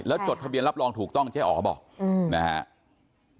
แล้วจดทะเบียนรับรองถูกต้องเจ๊อ๋อเขาบอกนะฮะ